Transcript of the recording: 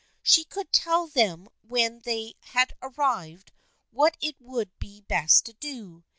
She could tell them when they had arrived what it would be best to do.